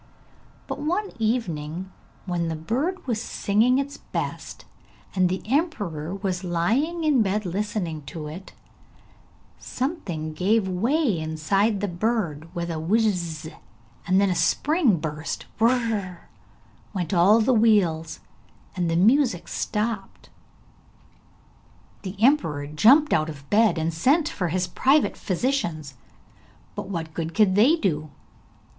But one evening when the bird was singing its best, and the emperor was lying in bed listening to it, something gave way inside the bird with a 'whizz.' Then a spring burst, 'whirr' went all the wheels, and the music stopped. The emperor jumped out of bed and sent for his private physicians, but what good could they do?